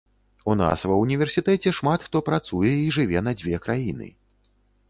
У нас ва ўніверсітэце шмат хто працуе і жыве на дзве краіны.